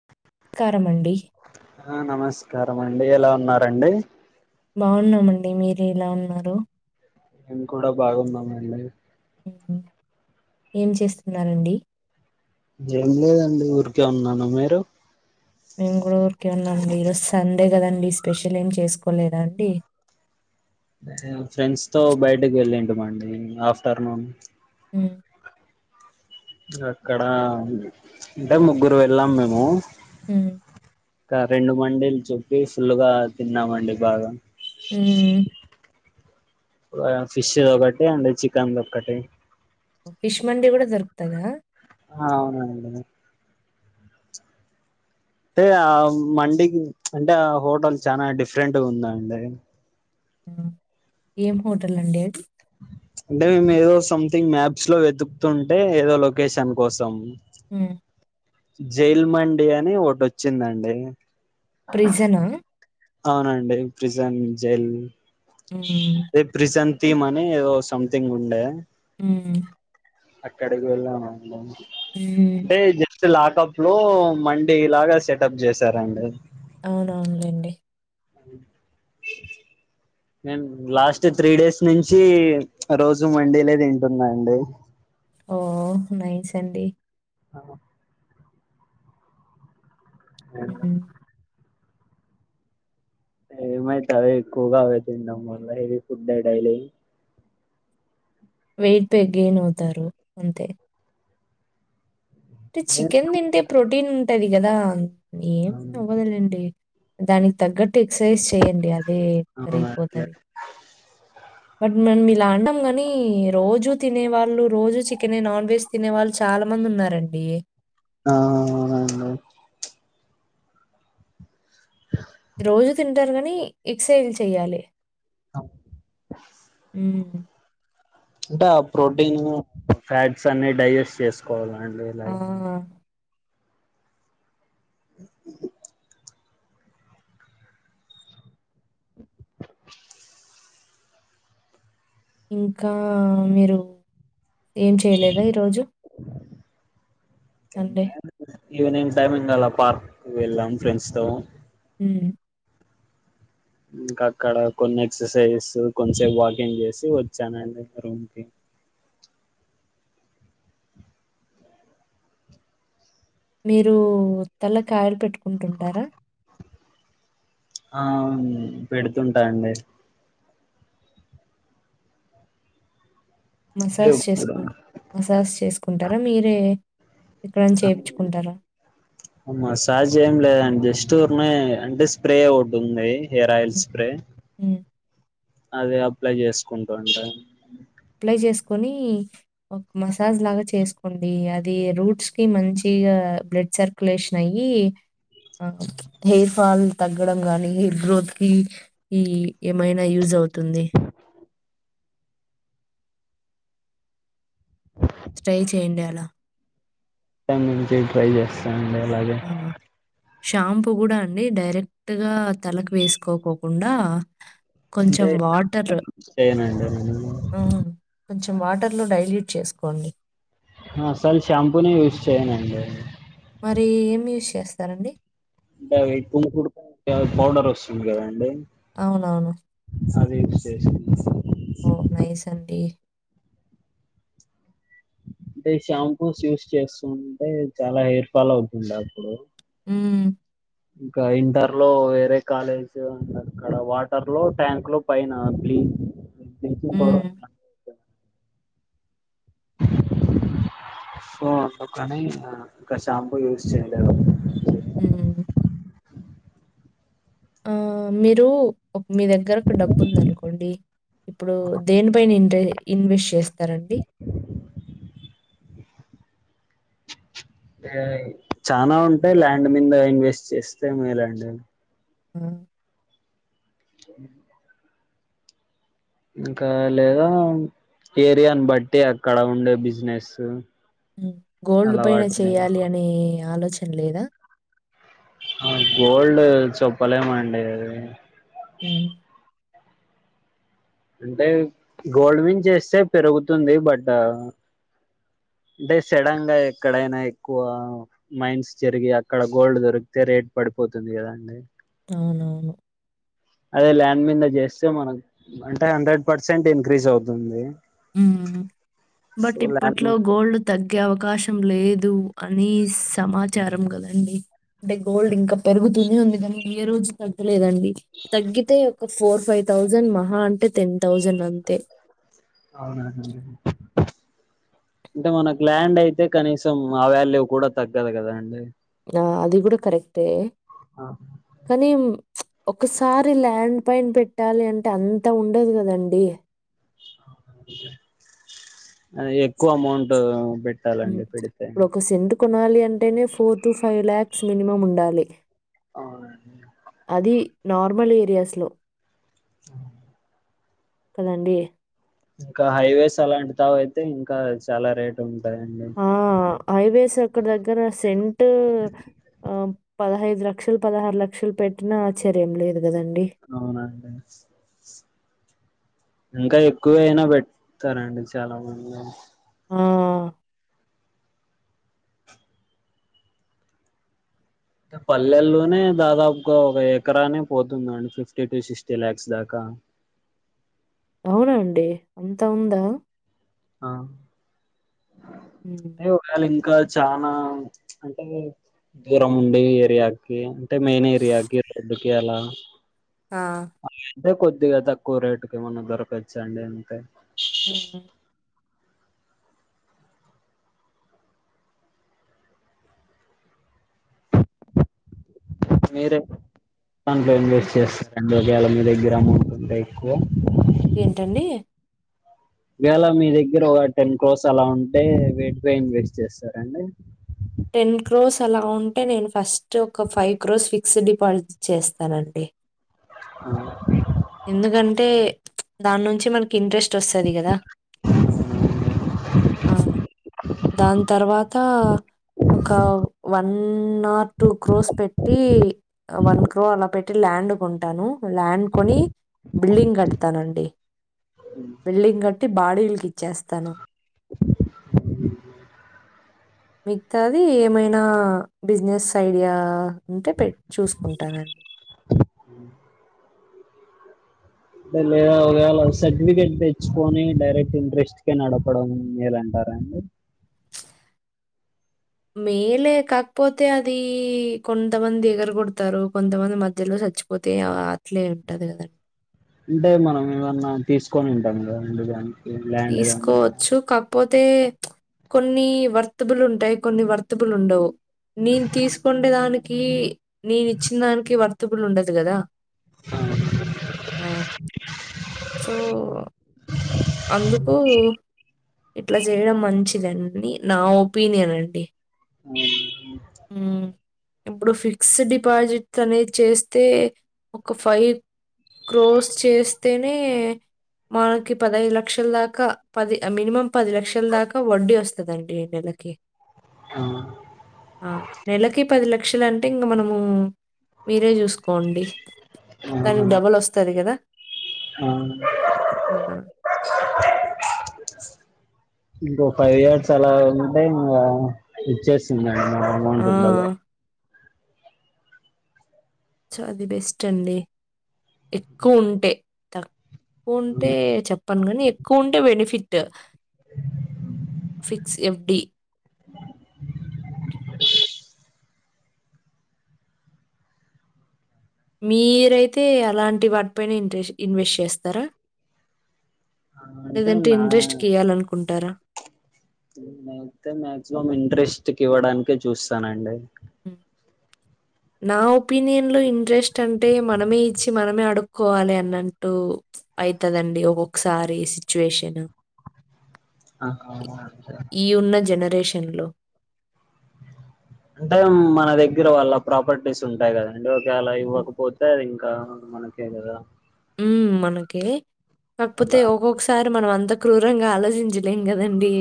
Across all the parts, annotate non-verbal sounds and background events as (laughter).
అ కారమండి ఆ నమస్కారం అండి ఎలా ఉన్నారండి బాగున్నామండి మీరు ఇలా ఉన్నారు మేము కూడా బాగున్నం అండి మ్మ్ హు ఏం చేస్తున్నారండి ఏం లేదండి ఊరికే ఉన్నాను మీరు మేము కూడా ఊరికే ఉన్నామ అండి ఈరోజు సండే కదండి స్పెషల్ ఏమి చేసుకోలేదా అండి ఫ్రెండ్స్ తో బయటకి వెళ్ళింటిమండి ఆఫ్టర్నూన్ మ్మ్ అక్కడ అంటే ముగ్గురు వెళ్ళాం మేము. హ్ ఇంకా రెండు మండీలు చెప్పి ఫుల్గా తిన్నామండి బాగా. ఉ ఆ ఫిష్ ది ఒకటి అండ్ చికెన్ది ఒకటి. ఫిష్ మండి కూడా దొరుకుతదా. ఆ అవునండి. అంటే ఆ మండికి అంటే ఆ హోటల్ చానా డిఫరెంట్ ఉందండి. హ్మ్. ఏం హోటల్ అండి అది. అంటే మేము ఏదో సంథింగ్ మ్యాప్స్లో వెతుకుతుంటే ఏదో లొకేషన్ కోసం హ జైల్ మండి అని ఒకటి వచ్చిందండి. ప్రిజనా? అవునండి. Prison jail. ఆ అది ప్రిసన్ తీమ్ అనీ ఏదో సథింగ్ ఉండే ఉ అక్కడికి వెళ్ళాం అండి హ్మ్. అంటే జె స్ట్ లాకప్లో మండి లాగా సెటప్ చేసారండి. అవునవునులేండి. అవు (unintelligible) నేను లాస్ట్ త్రీ డేస్ నుంచి రోజు మండీలే తింటున్నా అండి. ఓ నైస్ అండి. అమ్మ (inaudible) హ్మ్. మేమైతే అవే ఎక్కువగా అవే తినడం వల్లా హెవి ఫుడ్డే డైలీ. వెయిటే గెయిన్ అవుతారు అంతే. అంటే అవునా చికెన్ తింటే ప్రోటీన్ ఉంటది కదా ఏం అవ్వదులేండి. దానికి తగ్గట్టు ఎక్సర్సైజ్ చెయ్యండి అదే అవునండి కరిగిపోతది. బట్ మనం ఇలా అంటంకని రోజు తినేవాళ్ళు రోజు చికెనే నాన్వెజ్ తినేవాళ్ళు చాలా మంది ఉన్నారండి. ఆ అవునండి. ఆ రోజు తింటరు కనీ ఎక్సైజ్లు చెయ్యాలి. అవును. హ్ అంటే ఆ ప్రోటీన్ ఫ్యాట్స్ అన్ని డైజెస్ట్ చేసుకోవాలండి. ఆ! (inaudible) ఇంకా మీరు ఏం చేయలేదా ఈరోజు? సండే? ఈవెనింగ్ టైమింగ్ అలా పార్క్ వెళ్ళాం ఫ్రెండ్స్ తో. హ్ ఇంకా అక్కడ కొన్ని ఎక్సర్సైజ్ కొంచెంసేపు వాకింగ్ చేసి వచ్చానండి రూమ్ కి. మీరు తలకి ఆయిల్ పెట్టుకుంటుంటారా? ఆ పెడుతుంటా అండి. అంటే మసాజ్ ఇప్పుడు చేసుకు మసాజ్ చేసుకుంటారా మీరే ఎక్కడన్నా చేపిచుకుంటారా (inaudible) మసాజ్ ఏం లేదండి జస్ట్ ఊరికినే అంటే స్ప్రే ఒకటి ఉంది హెయిర్ ఆయిల్ స్ప్రే ఉమ్ అది అప్లై చేసుకుంట ఉంటా అప్లై చేసుకొని ఒ మసాజ్ లాగా చేసుకోండి అది రూట్స్ కి మంచిగా బ్లడ్ సర్క్ లేషన్ అయ్యి ఆ హెయిర్ ఫాల్ తగ్గడం గానీ హెయిర్ గ్రోత్ కి ఈ ఏమైనా యూజ్ అవుతుంది ట్రై చేయండి అలా రేపటి నుంచి ట్రై చేస్తానండి అలాగే ఆ! షాంపూ కూడా అండి డైరెక్ట్గా తలకు వేసుకోకుండా అంటే కొంచెం వాటర్ చేయనండి నేను ఆ కొంచెం వాటర్ లో డలి చేసుకోండి అసలు షాంపూనే యూజ్ చేయ్యనండి మరి ఏం యూస్ చేస్తారండి అంటే అ (unintelligible) పౌడర్ వస్తుంది కదాండి అవునవును అదే యూస్ చేస్తున్నాను ఓ నైస్ అండి అంటే ఈ షాంపూస్ యూస్ చేస్తుంటే చాలా హెయిర్ ఫాల్ అవుతుంది అప్పుడు ఉమ్ ఇంకా ఇంటర్ లో వేరే కాలేజీ ఉ అక్కడ వాటర్ లో ట్యాంక్ లో పైన క్లీన్ ఊ బ్లీచింగ్ పౌడర్ హ్మ్. (inaudible) సో అందుకని ఇంకా షాంపూ యూజ్ చేయలేదు ఊ ఆ మీరు మీ దగ్గరకు డబ్బు ఉంది అనుకోండి ఇప్పుడు దేనిపైన ఇంట ఇన్వెస్ట్ చేస్తారండి అంటే చనా ఉంటాయి ల్యాండ్ మీద ఇన్వెస్ట్ చేస్తే మీ ల్యాండ్ ఉ (inaudible) ఇంకా లేదా ఏరియాని బట్టి అక్కడ ఉండే బిజినెస్ హ్మ్. గోల్డ్ పైన అలవాటు మీద చేయాలి అనే ఆలోచన లేదా ఆ గోల్డ్ చప్పలేమండి అది ఊమ్ అంటే గోల్డ్ మీద చేస్తే పెరుగుతుంది బట్ అంటే సెడన్ గా ఎక్కడైనా ఎక్కువ మైన్స్ జరిగి అక్కడ గోల్డ్ దొరికితే రేట్ పడిపోతుంది కదా అండి అవునవును అదే ల్యాండ్ మీద చేస్తే మనకు అంటే హండ్రెడ్ పర్సెంట్ ఇన్క్రీజ్ అవుతుంది ఉమ్ సో బట్ ల్యాండ్ ఇప్పట్లో గోల్డ్ తగ్గే అవకాశం లేదు అని సమాచారం కదండి అంటే గోల్డ్ ఇంకా పెరుగుతునే ఉంది కాని ఏ రోజు తగ్గలేదండి తగ్గితే ఒక ఫోర్ ఫైవ్ థౌజండ్ మహా అంటే టెన్ థౌజండ్ అంతే అవునా అండి అంటే మనకు ల్యాండ్ అయితే కనీసం ఆ వాల్యూ కూడా తగ్గదు కదా అండి ఆ అది కూడా కరెక్టే ఆహా కానీ ఒకసారి ల్యాండ్ పైన పెట్టాలి అంటే అంత ఉండదు కదండి అ ఎక్కువ అమౌంట్ పెట్ ఇప్పుడు ఒక సెంట్ కొనాలి అంటేనే four twenty five lakhs minimum ఉండాలి అవును అండి అది నార్మల్ ఏరియాస్లో ఆ కదండి ఇంకా హైవేస్ అలాంటి తావు అయితే ఇంకా చాలా రేట్ ఉంటాయి కదండి ఆ హైవేస్ అక్కడ దగ్గర సెంట్ ఆ పదహైదు లక్షలు పదహారు లక్షలు పెట్టిన ఆశ్చర్యం లేదు కదండి అవునండి ఇంకా ఎక్కువ అయినా పెడతారండి చాలా మంది ఆ పల్లెల్లోనే దాదాపుగా ఒక ఎకరానే పోతుందండి ఫిఫ్టీ టూ సిక్స్టీ ల్యాక్స్ దాకా అవునండి అంతా ఉందా ఆ హ ఏ ఒకవేళ ఇంకా చనా అంటే దూరం ఉండి ఏరియాకి అంటే మెయిన్ ఏరియాకి రోడ్డుకి అలా ఆ అంటే కొద్దిగా తక్కువ రేటుకి ఏమన్నా దొరకచ్చండి అంతే ఉ మీరే దాంట్లో హ్మ్. ఇన్వెస్ట్ చేస్తారండి ఒకేళ మీ దగ్గర అమౌంట్ ఉంటే ఎక్కువ ఏంటండి ఒకవేళ మీ దగ్గర ఒక టెన్ క్రోస్ అలా ఉంటే వేటిలో ఇన్వేస్ట్ చేస్తారండి టెన్ క్రోస్ అలా ఉంటే నేను ఫస్ట్ ఒక ఫైవ్ క్రోస్ ఫిక్స్డ్ డిపాజిట్ చేస్తానండి అ ఎందుకంటే దాని నుంచి మనకి ఇంట్రెస్ట్ వస్తది కదా అంటే ఆ దాని తర్వాత ఒక వన్ ఆర్ టూ క్రోస్ పెట్టి వన్ క్రో అలా పెట్టి ల్యాండ్ కొంటాను ల్యాండ్ కొని బిల్డింగ్ కడతానండి బిల్డింగ్ కట్టి బాడీగిలకి ఇచ్చేస్తాను ఉహూ మిగతాది ఏమైనా బిజినెస్ ఐడియా ఉంటే పెట్ చూసుకుంటానండి లేదా ఒకవేళ సర్టిఫికేట్ తెచ్చుకొని డైరెక్ట్ ఇంట్రెస్ట్ కే నడపు కోవడం మేలంటారా అండి మేలే కాకపోతే అది కొంతమంది ఎగర కొడతారు కొంతమంది మధ్యలో చచ్చు పోతే అట్లే ఉంటది కద అంటే మనం ఏమన్నా తీసుకొని ఉంటాం కదా ముందుగాని తీసుకోవచ్చు కాకపోతే కొన్ని వర్తుబులు ఉంటాయి కొన్ని వర్తుబులు ఉండవు నేన్ తీస్కొండే దానికి నేనిచ్చిన్ దానికి వర్తబుల్ ఉండదు గదా ఆ సో అందుకూ ఇట్ల జేయడం మంచిదన్నీ నా ఒపీనియనండి ఉ ఇబ్బుడు ఫిక్స్ డిపాజిట్స్ అనేది చేస్తే ఒక్క ఫై క్రోస్ చేస్తేనే మాకిప్ పదహైద్ లక్షల దాకా పది మినిమం పది లక్షల్ దాకా వడ్డీ వస్తదండి నెలకి ఆ ఆ నెలకి పది లక్షలంటే ఇంగ మనమూ మీరే జూస్ కోండి ఆ దానిగ్ డబలొస్తది గదా ఆ అ ఇంకో ఫైవ్ ఇయర్స్ అలా ఉంటే ఇంగా ఇచ్చేస్తుందండి మా ఆ! అమౌంటు డబ సో అది బెస్టండి ఎక్కువుంటే తక్ పోన్ పే డబల్ చొప్ ప్పన్ గని ఎక్కువుంటే బెనిఫిట్టు ఫిక్స్ ఎఫ్డీ మీరైతే అలాంటి వాట్పైన ఇంట్రెస్ ఇన్వెస్ట్ చేస్తార అంటే లేదంటే నా ఇంట్రెస్ట్ కియాలన్కుంటారా నేనైతే మాగ్జిమామ్ ఇంట్రెస్ట్ కివ్వడానికే చూస్తానండి హు నా ఒపీనియన్ లో ఇంట్రెస్ట్ అంటే మనమే ఇచ్చి మనమే అడుక్కోవాలి అన్నన్ టూ అయితదండి ఒకొక్సారి సిచ్యువేషను ఆహ (unintelligible) ఈ ఉన్న జనరేషన్ ల్లో అంటేమ్ మన దగ్గెర వాళ్ళ ప్రాపర్టీస్ ఉంటాయి గదండి ఒక్యాల హ్మ్. ఇవ్వకపో తే అవ్వింకా మనకే గదా ఊ మనకే కాక్పోతే అలా అంటే ఒగొగ్ స్ సార్ మన మంత క్రూరంగా ఆలోచించలేం గదండి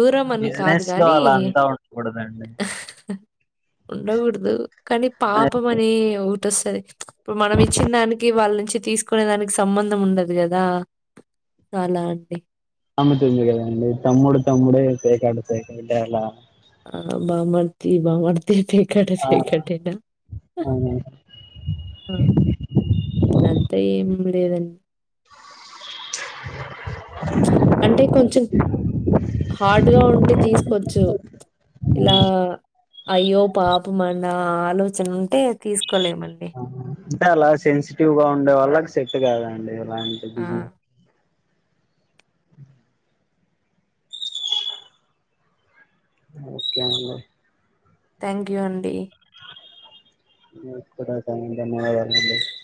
ఊరమని కాదు బిజినెస్ లో గాని అలా అంతా ఉండకూడదండి ఉండగూడ్దు కానీ పాపం అనే ఒగుటొస్తది ఇప్పుడు మనమి చ్చిన్ దానికి వాళ్ళ్ నుంచి తీస్కునే దానిక్ సంబంధం ఉండదు గదా అలా అంటే తామెతుంది గదా అండి తమ్ముడు తమ్ముడే పేకాట పేకాటె అలా ఆ బమార్త బమార్తే పేకాట ఆ పేకాటేనా అవును ఆ ట్లంతా ఏం లేదన్ అంటే కొంచిం హార్డ్ గా ఉంటే తీస్కోచ్చు ఇలా అయ్యో పాప మనా ఆలోచనుంటే తీస్కోలేమండి ఆ వుంటే అలా సెన్సిటివ్ గా ఉండే వాళ్ళగ్ సెట్టు గాదండి అలాంటే ఆ! బిజినె ఓకే అండి థ్యాంక్ యూ అండి మీక్కుడ దన్య (unintelligible)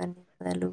ధన్యవదలు